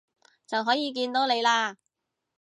就可以見到你喇